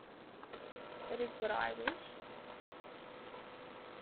That is what I wish.